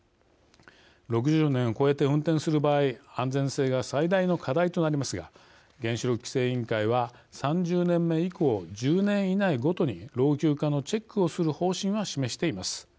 ６０年を超えて運転する場合安全性が最大の課題となりますが原子力規制委員会は３０年目以降、１０年以内ごとに老朽化のチェックをする方針は示しています。